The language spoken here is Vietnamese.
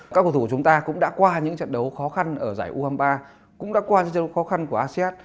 các cầu thủ của chúng ta cũng đã qua những trận đấu khó khăn ở giải u hai mươi ba cũng đã qua những trận đấu khó khăn của asean